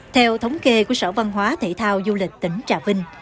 theo thống kê của sở văn hóa thể thao du lịch tỉnh trà vinh